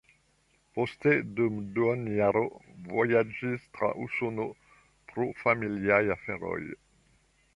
Poste dum duonjaro vojaĝis tra Usono pro familiaj aferoj.